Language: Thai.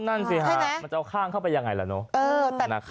นั่นสิฮะมันจะเอาข้างเข้าไปอย่างไรล่ะเนอะนะครับ